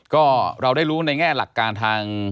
ก็เราได้รู้ในแง่หลักการทาง